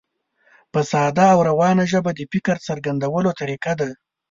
په ساده او روانه ژبه د فکر څرګندولو طریقه ده.